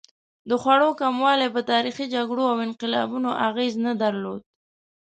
د خوړو کموالی په تاریخي جګړو او انقلابونو اغېز نه درلود.